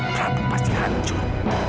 prabu pasti hancur